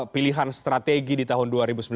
pilihan strategi di tahun dua ribu sembilan belas